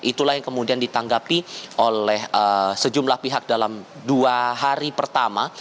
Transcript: itulah yang kemudian ditanggapi oleh sejumlah pihak dalam dua hari pertama